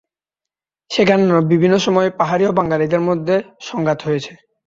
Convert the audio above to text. সেখানে বিভিন্ন সময়েই পাহাড়ি ও বাঙালিদের মধ্যে সংঘাত হয়েছে।